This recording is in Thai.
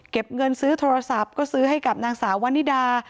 เงินซื้อโทรศัพท์ก็ซื้อให้กับนางสาววันนิดา